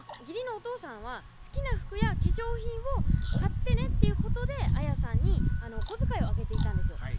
義理のお父さんは好きな服や化粧品を買ってねっていうことでアヤさんにお小遣いをあげていたんですよ。